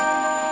ya udah deh